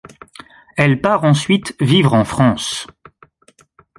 Elle part ensuite vivre en France.